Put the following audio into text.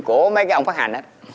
của mấy cái ông phát hành đó